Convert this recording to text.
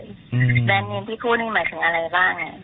แบรนด์เนมที่พูดนี่หมายถึงอะไรบ้างอ่ะ